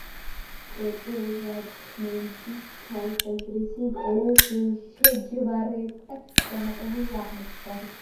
ტემპერამენტის თვალსაზრისით ეს შეჯვარება წარმატებული აღმოჩნდა.